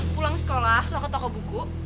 pulang sekolah ke toko buku